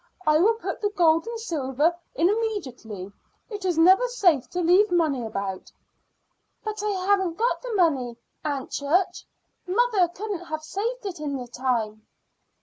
I will put the gold and silver in immediately. It is never safe to leave money about." "But I haven't got the money, Aunt Church. Mother couldn't have saved it in the time."